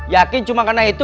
yakin cuma karena itu